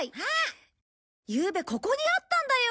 ゆうべここにあったんだよ！